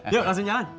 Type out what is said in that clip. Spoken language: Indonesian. yuk langsung jalan